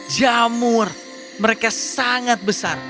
jamur mereka sangat besar